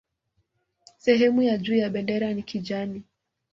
Sehemu ya juu ya bendera ni kijani